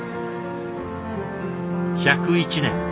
１０１年。